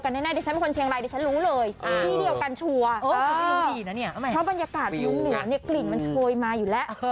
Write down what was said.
เพราะบรรยากาศยุ้งหนูเนี่ยกลิ่นมันโชยมาอยู่แล้ว